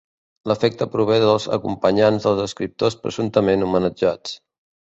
L'afecte prové dels acompanyants dels escriptors presumptament homenatjats.